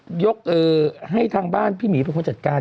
แม่นวรนงเขาบอกเลยว่าเลิกยกให้ทางบ้านพี่หมีเป็นคนจัดการ